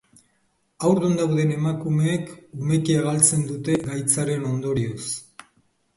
Haurdun dauden emakumeek umekia galtzen dute gaitzaren ondorioz.